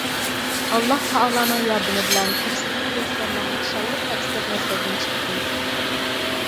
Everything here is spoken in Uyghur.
ئاللاھ تائالانىڭ ياردىمى بىلەن «تەپسىرى مۇيەسسەر» ناملىق شانلىق تەپسىر نەشردىن چىقتى.